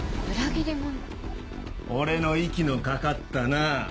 俺の息のかかったなぁ。